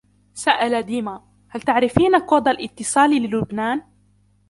سأل ديما: " هل تعرفين كود الاتصال للبنان ؟"